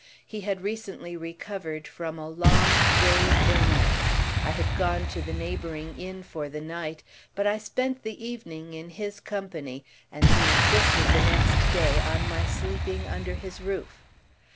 He had recently recovered from a long, grave illness. I had gone to the neighbouring inn for the night, but I spent the evening in his company, and he insisted the next day on my sleeping under his roof.